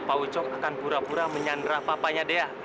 pak ucok akan pura pura menyandra papanya dea